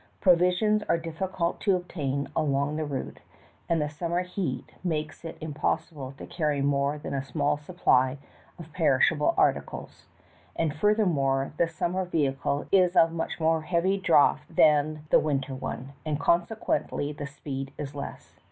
Provisions are difficult to obtain along the route, and the summer heat makes it impossible to carry more than a small supply of perishable articles ; and furthermore, the summer vehicle is of much more heavy draught than the winter one, and consequently the speed is less.